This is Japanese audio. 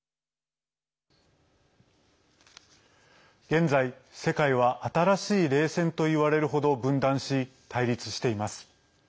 現在、世界は新しい冷戦といわれるほど分断し対立しています。